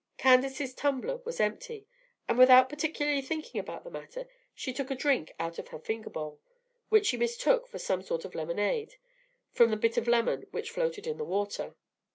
Candace's tumbler was empty, and without particularly thinking about the matter she took a drink out of her finger bowl, which she mistook for some sort of lemonade, from the bit of lemon which floated in the water.